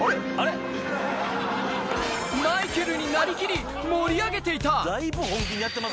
マイケルになりきり、盛り上げていた。